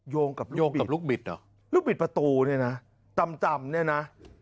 โยงกับลูกบิดโยงกับลูกบิดเหรอลูกบิดประตูนี่น่ะต่ำต่ำนี่น่ะ